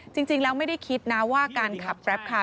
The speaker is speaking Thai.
จริงแล้วไม่ได้คิดนะว่าการขับแกรปคาร์